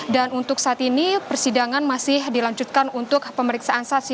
dan untuk saat ini persidangan masih dilanjutkan untuk pemeriksaan saksi